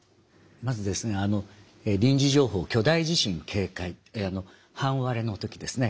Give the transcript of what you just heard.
まずですね臨時情報巨大地震警戒半割れの時ですね。